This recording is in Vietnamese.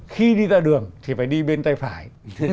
khi đi ra đường thì phải đi bên tay phải